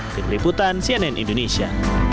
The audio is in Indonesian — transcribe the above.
di peliputan cnn indonesia